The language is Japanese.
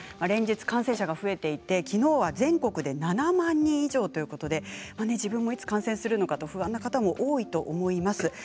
連日、感染者が増えていてきのうは全国で７万人以上ということで自分もいつ感染するのかと不安な方も多いと思います。